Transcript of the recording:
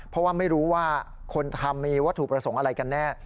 เพราะว่าไม่รู้ว่าคนทำมีวัตถุประสงค์อะไรกันแน่